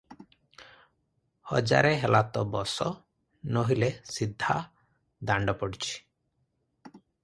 ହଜାରେ ହେଲା ତ ବସ, ନୋହିଲେ, ସିଧା ଦାଣ୍ଡ ପଡ଼ିଛି ।